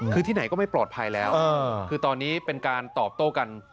คือที่ไหนก็ไม่ปลอดภัยแล้วคือตอนนี้เป็นการตอบโต้กัน